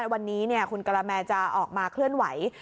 วันนี้คุณกะละแมจะออกมาเคลื่อนไหว